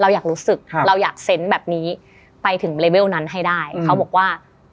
อยากรู้สึกเราอยากเซนต์แบบนี้ไปถึงเลเวลนั้นให้ได้เขาบอกว่า